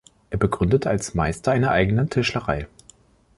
Er begründete als Meister eine eigene Tischlerei.